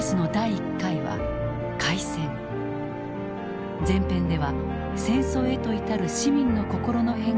前編では戦争へと至る市民の心の変化を見つめた。